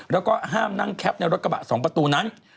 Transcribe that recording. แล้วก็ห้ามนั่งแคปในรถกระบะ๒ประตูนั้น